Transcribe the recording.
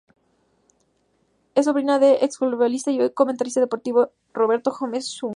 Es sobrina del exfutbolista y hoy comentarista deportivo Roberto Gómez Junco.